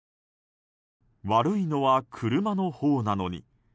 悪いのは車のほうなのに。